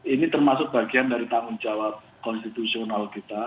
ini termasuk bagian dari tanggung jawab konstitusional kita